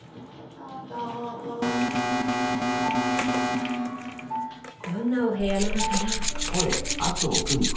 どんなお部屋なのかな？